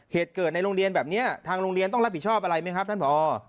เหตุเกิดในโรงเรียนแบบนี้ทางโรงเรียนต้องรับผิดชอบอะไรไหมครับท่านผอ